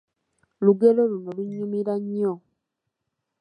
Lugero luno lunnyumira nnyo.